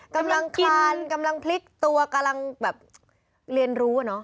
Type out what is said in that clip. กำลังคลานกำลังพลิกตัวกำลังแบบเรียนรู้อะเนาะ